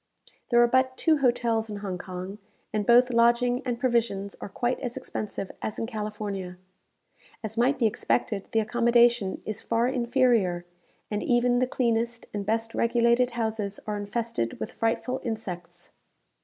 There are but two hotels in Hong Kong, and both lodging and provisions are quite as expensive as in California. As might be expected, the accommodation is far inferior; and even the cleanest and best regulated houses are infested with frightful insects.